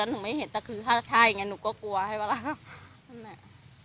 และบางครั้งก็ไม่รู้ด้วยว่ามีคนร้ายมันได้